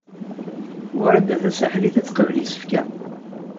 Wrida Tasaḥlit ad teqbel isefka.